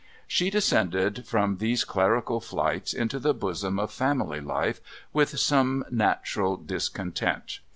She descended from these clerical flights into the bosom of family life with some natural discontent.